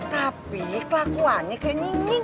tapi kelakuannya kayak nying nying